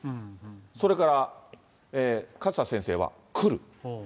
それから、勝田先生は来る。